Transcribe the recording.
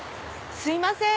すいません！